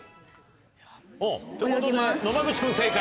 ということで野間口君正解。